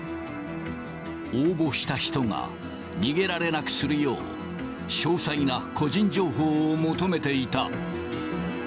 応募した人が逃げられなくするよう、詳細な個人情報を求めていた。